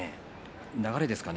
流れですかね。